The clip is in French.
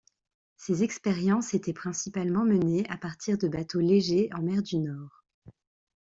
Ces expériences étaient principalement menées à partir de bateaux légers en mer du Nord.